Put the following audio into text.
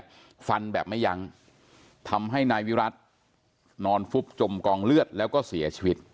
ฟันแบบไม่ยั้งทำให้นายวิรัตินอนฟุบจมกองเลือดแล้วก็เสียชีวิต